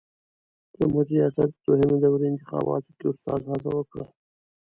د جمهوري ریاست د دوهمې دورې انتخاباتو کې استاد هڅه وکړه.